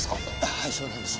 はいそうなんです。